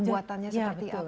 dan pembuatannya seperti apa